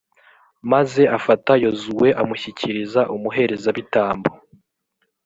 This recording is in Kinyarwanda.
maze afata yozuwe amushyikiriza umuherezabitambo.